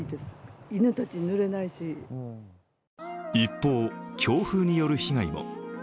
一方、強風による被害も。